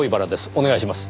お願いします。